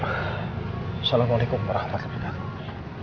assalamualaikum warahmatullahi wabarakatuh